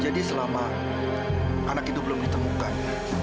jadi selama anak itu belum ditemukan